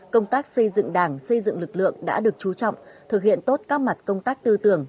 công tác xây dựng đảng xây dựng lực lượng đã được chú trọng thực hiện tốt các mặt công tác tư tưởng